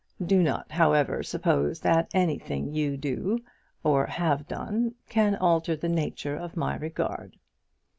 Do not, however, suppose that anything you can do or have done, can alter the nature of my regard.